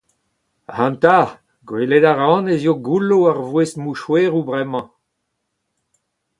Ac'hanta, gwelet a ran ez eo goullo ar voest mouchoueroù bremañ !